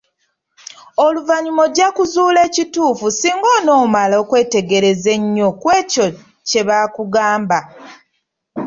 Oluvannyuma ojja kuzuula ekituufu singa onoomala okwetegereza ennyo ku ekyo kye bakugamba.